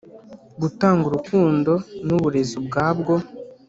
“gutanga urukundo ni uburezi ubwabwo.”